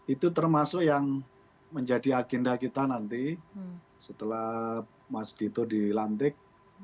itu termasuk yang menjadi agenda kita nanti setelah mas dito dilantik